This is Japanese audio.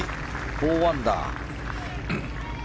４アンダー。